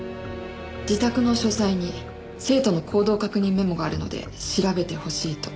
自宅の書斎に生徒の行動確認メモがあるので調べてほしいと。